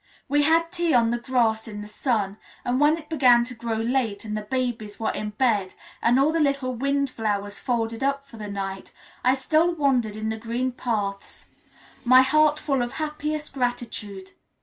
We had tea on the grass in the sun, and when it began to grow late, and the babies were in bed, and all the little wind flowers folded up for the night, I still wandered in the green paths, my heart full of happiest gratitude.